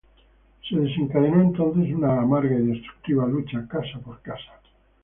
Se desencadenó entonces una amarga y destructiva lucha casa por casa.